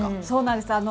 そうなんです。